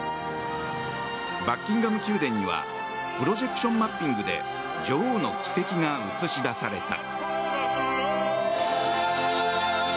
バッキンガム宮殿にはプロジェクションマッピングで女王の軌跡が映し出された。